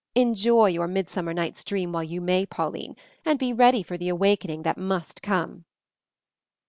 Enjoy your midsummer night's dream while you may, Pauline, and be ready for the awakening that must come."